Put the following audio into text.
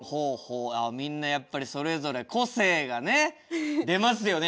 みんなやっぱりそれぞれ個性がね出ますよね